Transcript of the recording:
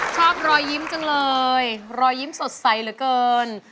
ชอบรอยยิ้มจังเลยรอยยิ้มสดใสเหลือเกิน